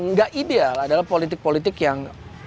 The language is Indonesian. nggak ideal adalah politik politik yang